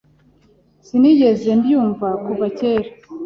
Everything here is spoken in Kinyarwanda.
Sinigeze mbyumva kuva kera.